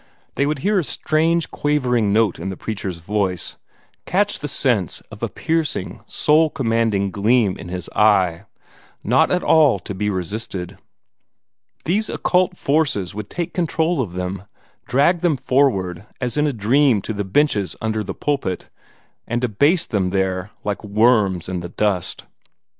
They would hear a strange, quavering note in the preacher's voice, catch the sense of a piercing, soul commanding gleam in his eye not at all to be resisted. These occult forces would take control of them, drag them forward as in a dream to the benches under the pulpit, and abase them there like worms in the dust.